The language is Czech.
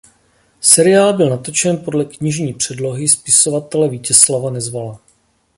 Seriál byl natočen podle knižní předlohy spisovatele Vítězslava Nezvala.